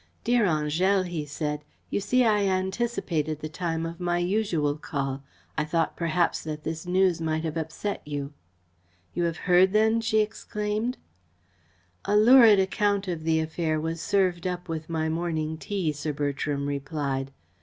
"Dear Angèle," he said, "you see I anticipated the time of my usual call. I thought perhaps that this news might have upset you." "You have heard then?" she exclaimed. "A lurid account of the affair was served up with my morning tea," Sir Bertram replied.